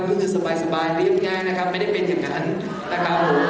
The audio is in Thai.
ก็คือสบายเรียบง่ายนะครับไม่ได้เป็นอย่างนั้นนะครับผม